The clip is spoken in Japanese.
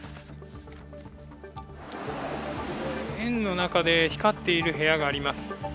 園の中で光っている部屋があります。